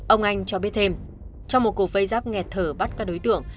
ông anh cho biết thêm trong một cuộc vây giáp nghẹt thở bắt các đối tượng